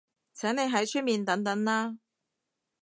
請你喺出面等等啦